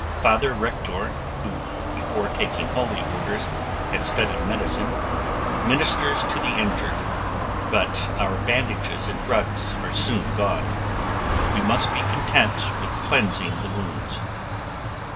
Father Rektor who, before taking holy orders, had studied medicine, ministers to the injured, but our bandages and drugs are soon gone. We must be content with cleansing the wounds.